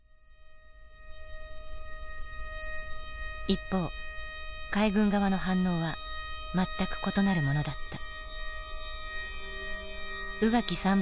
一方海軍側の反応は全く異なるものだった。